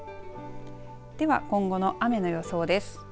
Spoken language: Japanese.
では、今後の雨の予想です。